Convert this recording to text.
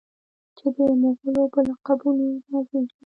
چې د مغلو په لقبونو نازیږي.